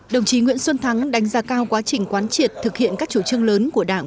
đồng chí nguyễn xuân thắng đánh giá cao quá trình quán triệt thực hiện các chủ trương lớn của đảng